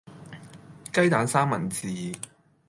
雞蛋三文治